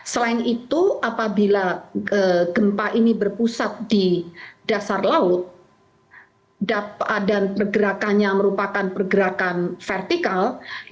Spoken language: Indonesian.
selain itu apabila gempa ini berpusat di dasar laut dan pergerakannya merupakan pergerakan vertikal